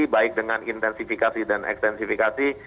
baik dengan intensifikasi dan ekstensifikasi